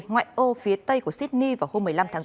ngoại ô phía tây của sydney vào hôm một mươi năm tháng bốn